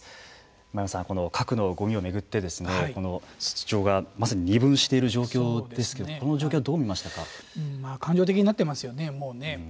真山さん、この核のごみを巡って寿都町がまさに二分している状況ですけど感情的になっていますよね。